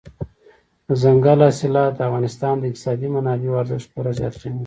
دځنګل حاصلات د افغانستان د اقتصادي منابعو ارزښت پوره زیاتوي.